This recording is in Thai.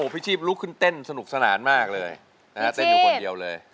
พี่ชีพลุกขึ้นเต้นสนุกสนานมากเลยนะฮะเต้นอยู่คนเดียวเลย